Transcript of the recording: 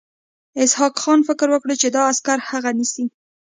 اسحق خان فکر وکړ چې دا عسکر هغه نیسي.